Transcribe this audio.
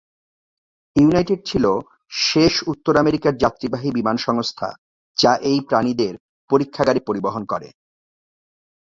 United ছিল শেষ উত্তর আমেরিকার যাত্রীবাহী বিমান সংস্থা যা এই প্রাণীদের পরীক্ষাগারে পরিবহন করে।